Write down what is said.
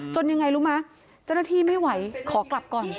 ยังไงรู้มั้ยเจ้าหน้าที่ไม่ไหวขอกลับก่อน